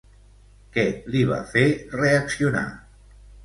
Què li va fer reaccionar?